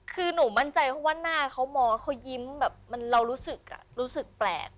คือหนูมั่นใจเพราะว่าหน้าเขามองเขายิ้มแบบเรารู้สึกรู้สึกแปลก